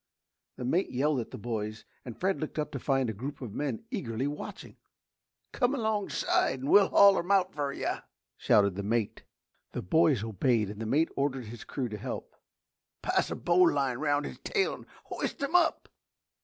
The mate yelled at the boys and Fred looked up to find a group of men eagerly watching. "Come alongside and we'll haul him out fer you!" shouted the mate. The boys obeyed and the mate ordered his crew to help. "Pass a bo'line 'round his tail and hoist 'im up!"